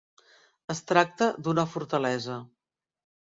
Es tracta d'una fortalesa.